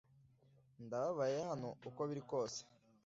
Ndababaye hano uko biri kose